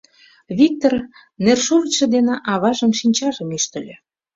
Виктор нершовычшо дене аважын шинчажым ӱштыльӧ.